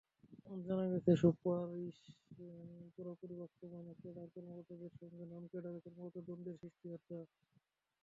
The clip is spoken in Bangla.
জানা গেছে, সুপারিশ পুরোপুরি বাস্তবায়নে ক্যাডার কর্মকর্তাদের সঙ্গে নন-ক্যাডার কর্মকর্তাদের দ্বন্দ্বের সৃষ্টি হতে।